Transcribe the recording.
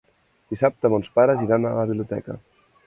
Dissabte mons pares iran a la biblioteca.